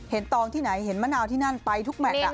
ตองที่ไหนเห็นมะนาวที่นั่นไปทุกแมท